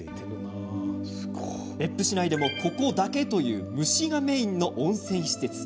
別府市内でもここだけという蒸しがメインの温泉施設。